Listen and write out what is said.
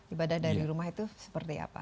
ibadah dari rumah itu seperti apa